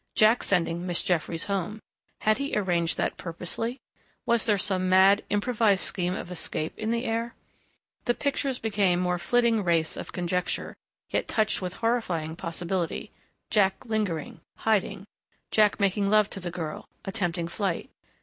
Jack sending Miss Jeffries home.... Had he arranged that purposely? Was there some mad, improvised scheme of escape in the air? The pictures became mere flitting wraiths of conjecture, yet touched with horrifying possibility.... Jack lingering, hiding.... Jack making love to the girl, attempting flight....